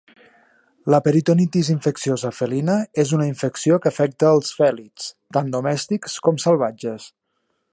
La Peritonitis Infecciosa felina és una infecció que afecta els fèlids, tant domèstics com salvatges.